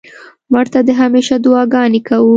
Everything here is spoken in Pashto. مړه ته د همېشه دعا ګانې کوو